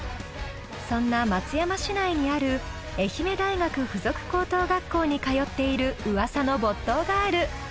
そんな松山市内にある愛媛大学附属高等学校に通っている噂の没頭ガール。